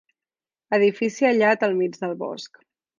Edifici aïllat al mig del bosc.